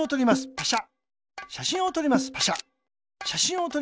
パシャ。